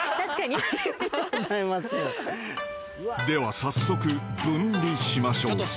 ［では早速分離しましょう］